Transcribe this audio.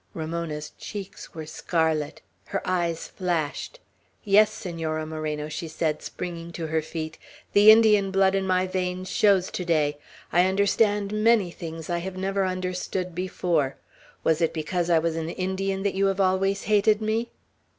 Ramona's cheeks were scarlet. Her eyes flashed. "Yes, Senora Moreno," she said, springing to her feet; "the Indian blood in my veins shows to day. I understand many things I never understood before. Was it because I was an Indian that you have always hated me?"